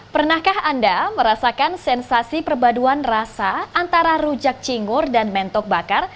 pernahkah anda merasakan sensasi perbaduan rasa antara rujak cingur dan mentok bakar